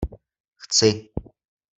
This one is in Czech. Chci!